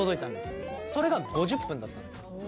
それが５０分だったんですよ。